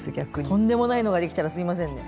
とんでもないのができたらすいませんね。